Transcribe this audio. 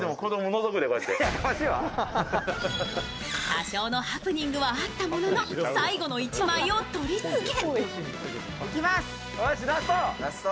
多少のハプニングはあったものの最後の１枚を取り付け